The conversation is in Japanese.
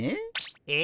えっ？